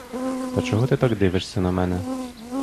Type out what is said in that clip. Та чого ти так дивишся на мене?